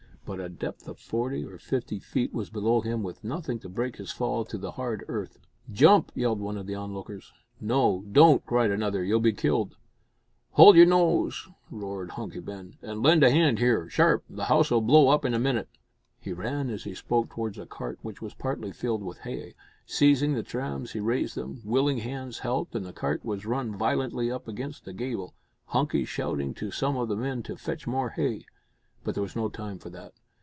But a depth of forty or fifty feet was below him with nothing to break his fall to the hard earth. "Jump!" yelled one of the onlookers. "No, don't!" cried another, "you'll be killed." "Hold your noise," roared Hunky Ben, "and lend a hand here sharp! the house'll blow up in a minute." He ran as he spoke towards a cart which was partly filled with hay. Seizing the trams he raised them. Willing hands helped, and the cart was run violently up against the gable Hunky shouting to some of the men to fetch more hay. But there was no time for that.